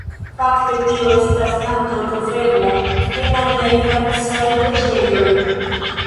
Fakte tio estas ankaŭ trovebla en aliaj francaj preĝejoj.